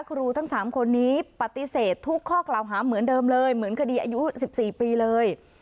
ครูทั้ง๓คนนี้ปฏิเสธทุกข้อกล่าวหาเหมือนเดิมเลยเหมือนคดีอายุ๑๔ปีเลย